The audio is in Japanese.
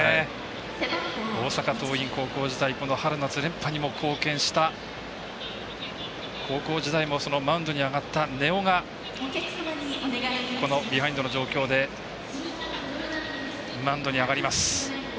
大阪桐蔭高校時代この春夏連覇にも貢献した高校時代もマウンドに上がった根尾がこのビハインドの状況でマウンドに上がります。